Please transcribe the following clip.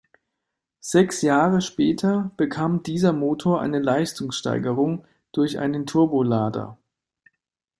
Sechs Jahre später bekam dieser Motor eine Leistungssteigerung durch einen Turbolader.